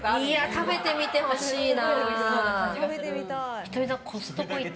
食べてみてほしいな。